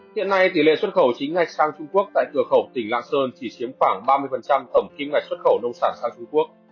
hiện nay tỷ lệ xuất khẩu chính ngạch sang trung quốc tại cửa khẩu tỉnh lạng sơn chỉ chiếm khoảng ba mươi tổng kim ngạch xuất khẩu nông sản sang trung quốc